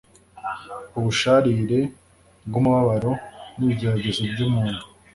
ubusharire bw’umubabaro n’ibigeragezo by’umuntu,